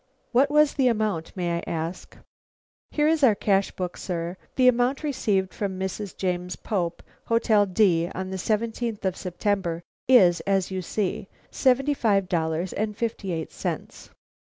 "What was the amount, may I ask?" "Here is our cash book, sir. The amount received from Mrs. James Pope, Hotel D , on the seventeenth of September, is, as you see, seventy five dollars and fifty eight cents."